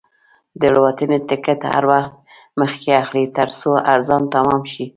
د الوتنې ټکټ هر وخت مخکې اخلئ، ترڅو ارزان تمام شي.